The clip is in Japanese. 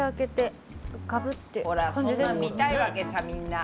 ほらそんなん見たいわけさみんな。